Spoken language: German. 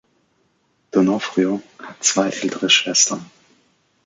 D’Onofrio hat zwei ältere Schwestern.